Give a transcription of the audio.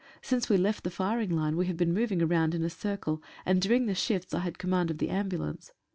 Since we left the firing line we have been moving round in a circle and during the shifts I had command of the ambulance.